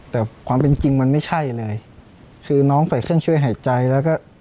แต่ความเป็นจริงมันไม่ใช่เลยคือน้องใส่เครื่องช่วยหายใจแล้วก็